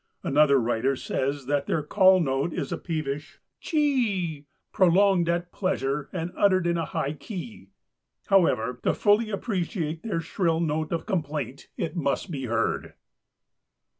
Another writer says that "their call note is a peevish 'chee e e e,' prolonged at pleasure and uttered in a high key. However, to fully appreciate their shrill note of complaint it must be heard."